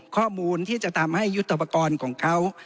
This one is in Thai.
ข้อมูลที่จะทำให้ยุทธปกรณ์ของเขา